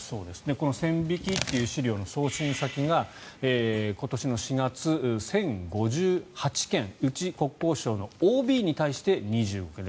この線引きという資料の送信先が今年の４月、１０５８件うち、国交省のＯＢに対して２５件。